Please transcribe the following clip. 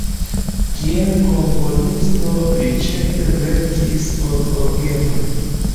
Kiel komponisto li ĉefe verkis por orgeno.